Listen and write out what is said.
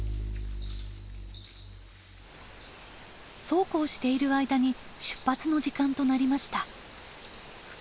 そうこうしている間に出発の時間となりました。